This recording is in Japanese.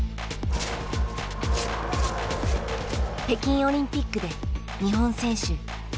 北京オリンピックで日本選手